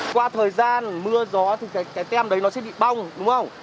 qua thời gian mưa gió thì cái tem đấy nó sẽ bị bong đúng không